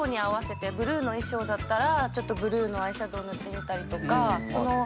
ブルーの衣装だったらブルーのアイシャドー塗ってみたりとか。